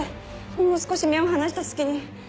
ほんの少し目を離した隙に。